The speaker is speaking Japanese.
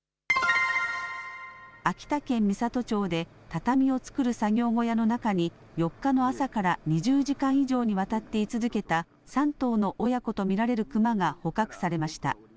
秋田県美郷町で畳を作る作業小屋の中に４日の朝から２０時間以上にわたってい続けた３頭の親子と見られる熊が捕獲されました。